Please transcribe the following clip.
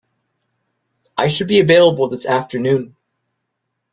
I should be available this afternoon